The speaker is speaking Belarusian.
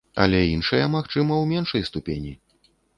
Але іншыя, магчыма, у меншай ступені.